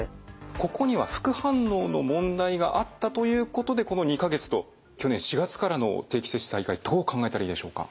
ここには副反応の問題があったということでこの２か月と去年４月からの定期接種再開どう考えたらいいでしょうか？